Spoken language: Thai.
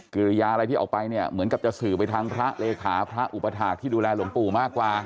กิริยาอะไรที่ออกไปเนี่ยเหมือนกับจะสื่อไปทางพระเลขาพระอุปถาคที่ดูแลหลวงปู่มากกว่า